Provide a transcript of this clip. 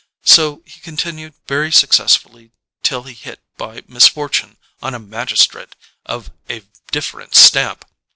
So he continued very successfully till he hit by misfortune on a magistrate of a different stamp.